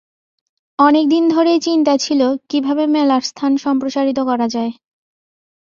অনেক দিন ধরেই চিন্তা ছিল কীভাবে মেলার স্থান সম্প্রসারিত করা যায়।